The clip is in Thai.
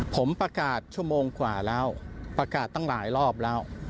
ผมประกาศชั่วโมงกว่าแล้วประกาศตั้งหลายรอบแล้ว